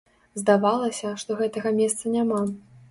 Здавалася, што гэтага месца няма.